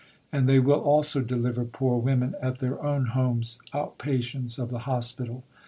And they will also deliver poor women at their own homes, out patients of the Hospital.